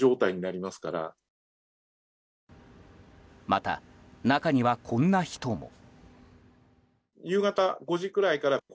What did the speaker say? また、中にはこんな人も。